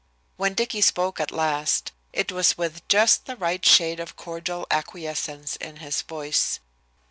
When Dicky spoke at last, it was with just the right shade of cordial acquiescence in his voice.